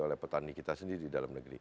oleh petani kita sendiri di dalam negeri